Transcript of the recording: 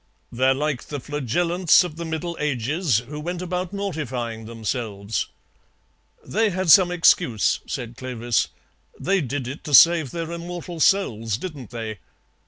"They're like the Flagellants of the Middle Ages, who went about mortifying themselves." "They had some excuse," said Clovis. "They did it to save their immortal souls, didn't they?